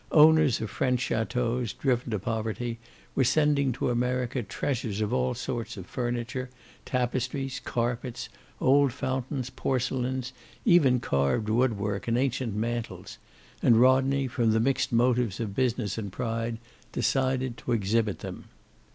Owners of French chateaus, driven to poverty, were sending to America treasures of all sorts of furniture, tapestries, carpets, old fountains, porcelains, even carved woodwork and ancient mantels, and Rodney, from the mixed motives of business and pride, decided to exhibit them.